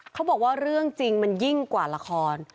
เขาบอกว่าเรื่องจริงมันยิ่งกว่าละคร